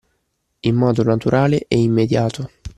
In modo naturale e immediato